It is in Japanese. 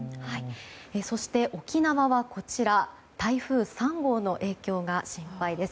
そして、沖縄は台風３号の影響が心配です。